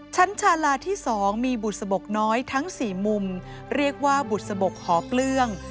ชั้นชาลาที่สองมีบุตรสะบกน้อยทั้งสี่มุมเรียกว่าบุตรสะบกหอเกลือง